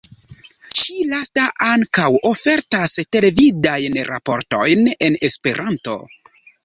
Ĉi-lasta ankaŭ ofertas televidajn raportojn en Esperanto.